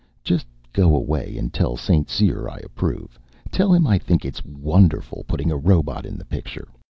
Just go away and tell St. Cyr I approve. Tell him I think it's wonderful, putting a robot in the picture.